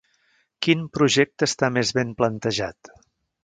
Quin projecte està més ben plantejat?